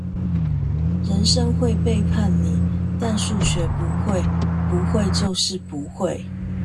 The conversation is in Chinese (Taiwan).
人生會背叛你，但數學不會，不會就是不會